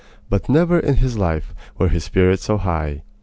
But never in his life were his spirits so high.